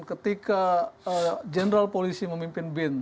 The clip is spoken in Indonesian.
ketika general polisi memimpin bin